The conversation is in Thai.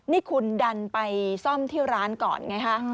นี่คุณดันไปซ่อมที่ร้านก่อนไงฮะ